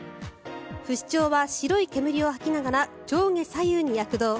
不死鳥は白い煙を吐きながら上下左右に躍動。